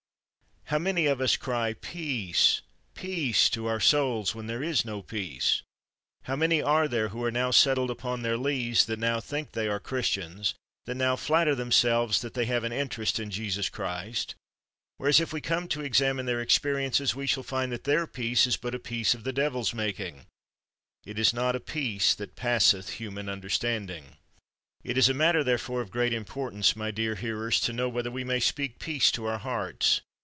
How many of us cry, Peace, peace, to our souls, when there is no peace! How many are there who are now settled upon their lees, that now think they are Christians, that now natter them selves that they have an interest in Jesus Christ ; whereas if we come to examine their experiences we shall find that their peace is but a peace of the devil's making — it is not a peace of God's giving — it is not a peace that passeth human un derstanding. It is a matter, therefore, of great importance, my dear hearers, to know whether we may speak peace to our hearts.